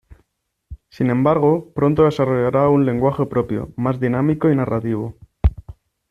Sin embargo, pronto desarrollará un lenguaje propio, más dinámico y narrativo.